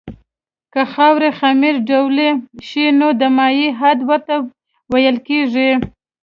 که خاوره خمیر ډوله شي نو د مایع حد ورته ویل کیږي